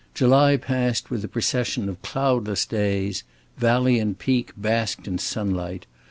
July passed with a procession of cloudless days; valley and peak basked in sunlight.